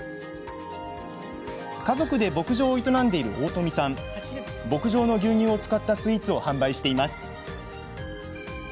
家族で牧場を営んでいる大富さん牧場の牛乳を使ったスイーツを販売しています。